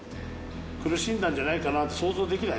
苦しんだんじゃないかなと想像できない？